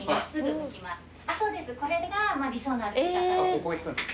ここ行くんすか？